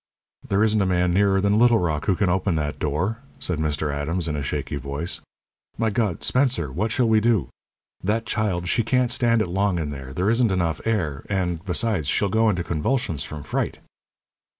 "There isn't a man nearer than Little Rock who can open that door," said Mr. Adams, in a shaky voice. "My God! Spencer, what shall we do? That child she can't stand it long in there. There isn't enough air, and, besides, she'll go into convulsions from fright."